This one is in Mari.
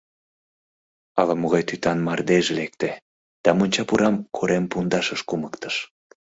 Ала-могай тӱтан мардеж лекте да монча пурам корем пундашыш кумыктыш.